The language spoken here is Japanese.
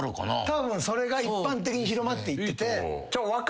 たぶんそれが一般的に広まっていってて。